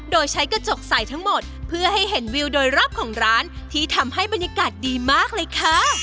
โดยใช้กระจกใส่ทั้งหมดเพื่อให้เห็นวิวโดยรอบของร้านที่ทำให้บรรยากาศดีมากเลยค่ะ